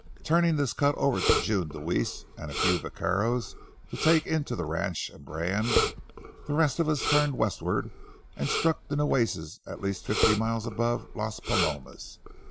Turning this cut over to June Deweese and a few vaqueros to take in to the ranch and brand, the rest of us turned westward and struck the Nueces at least fifty miles above Las Palomas.